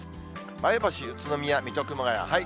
前橋、宇都宮、水戸、熊谷。